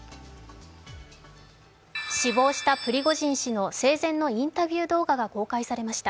死亡したプリゴジン氏の生前のインタビュー動画が公開されました。